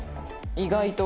意外と。